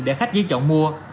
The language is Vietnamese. để khách dây chọn mua